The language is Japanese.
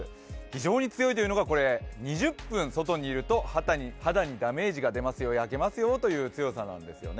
非常に強いというのが、２０分外にいると肌にダメージが出ますよ、焼けますよという強さなんです。